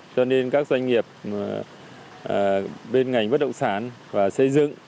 cho nên các doanh nghiệp bên ngành bất động sản và xây dựng